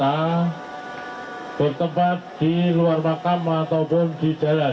kita bertempat di luar makam ataupun di jalan